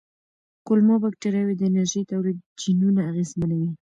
کولمو بکتریاوې د انرژۍ تولید جینونه اغېزمنوي.